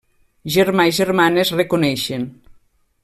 Germà i germana es reconeixen.